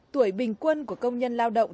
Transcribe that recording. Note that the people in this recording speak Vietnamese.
tuổi bình quân của công nhân lao động